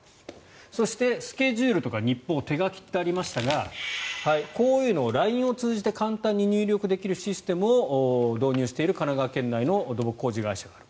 そして、スケジュールとか日報手書きとありましたがこういうのをＬＩＮＥを通じて簡単に入力できるシステムを導入している神奈川県内の土木工事会社がある。